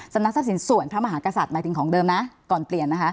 นักทรัพย์สินส่วนพระมหากษัตริย์หมายถึงของเดิมนะก่อนเปลี่ยนนะคะ